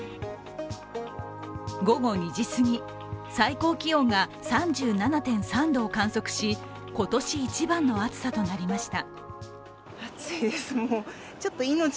午後２時すぎ、最高気温が３７．３度を観測し、今年一番の暑さとなりました。